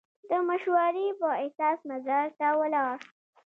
د مشورې په اساس مزار ته ولاړ.